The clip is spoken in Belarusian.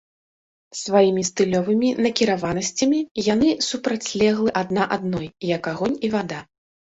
Сваімі стылёвымі накіраванасцямі яны супрацьлеглы адна адной, як агонь і вада.